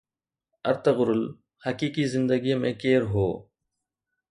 Ertugrul حقيقي زندگي ۾ ڪير هو؟